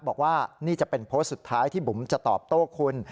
บอกว่านี่จะเป็นโพสต์สุดท้ายที่บุ๋มจะตอบโต้คุณ